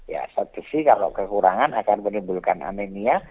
ya sapsi kalau kekurangan akan menimbulkan aminia